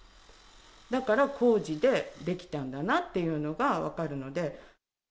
だから、工事で出来たんだなっていうのが分かるので。